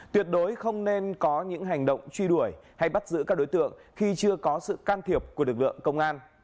tuyệt đối không nên có những hành động truy đuổi hay bắt giữ các đối tượng khi chưa có sự can thiệp của lực lượng công an